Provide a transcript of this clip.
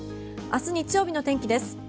明日日曜日の天気です。